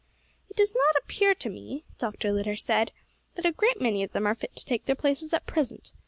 "It does not appear to me," Dr. Litter said, "that a great many of them are fit to take their places at present.